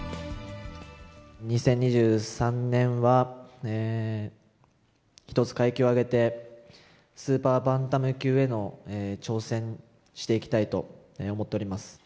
２０２３年は１つ階級を上げて、スーパーバンタム級への挑戦をしていきたいと思っております。